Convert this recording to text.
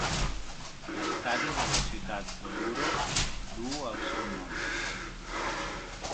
L'estadi de la ciutat d'Oruro duu el seu nom.